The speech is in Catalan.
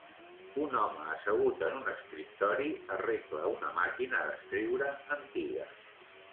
Un home assegut en un escriptori arregla una màquina d'escriure antiga.